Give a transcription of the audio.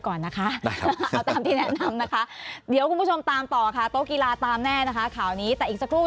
ขอบคุณครับสวัสดีครับ